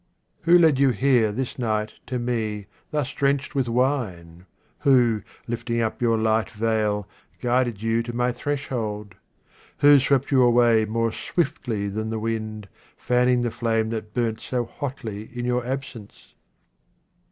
Who led you here this night to me, thus drenched with wine ? Who, lifting up your light veil, guided you to my threshold ? Who swept you away more swiftly than the wind, fanning the ilame that burnt so hotly in your absence